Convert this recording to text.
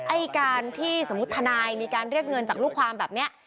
ไอ้การที่สมมุติทนายมีการเรียกเงินจากลูกความแบบนี้